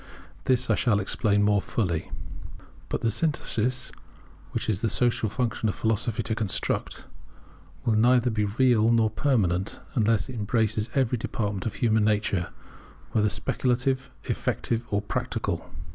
This I shall explain more fully. But the synthesis, which it is the social function of Philosophy to construct, will neither be real nor permanent, unless it embraces every department of human nature, whether speculative, effective, or practical.